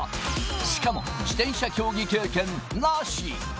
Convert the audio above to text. しかも自転車競技経験なし。